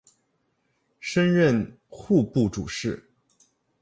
升任户部主事。